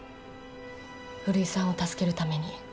古井さんを助けるために。